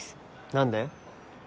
何で？